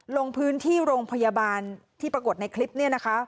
ลงพื้นที่โรงพยาบาลที่ปรากฏในคลิปนี้นะคะ